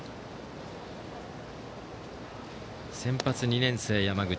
先発２年生、山口。